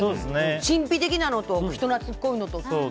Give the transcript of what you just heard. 神秘的なのと人懐っこいのと。